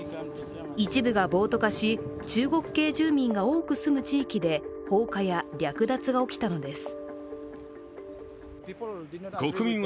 一部が暴徒化し、中国系住民が多く住む地域で放火や略奪が起きたのです。